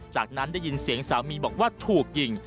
จากนั้นได้ยินเสียงสามีบอกว่าถูกยิง